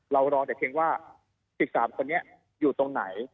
รอแต่เพียงว่า๑๓คนนี้อยู่ตรงไหน